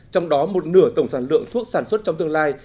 trong đó một nửa tổng sản lượng thuốc sản xuất trong tương lai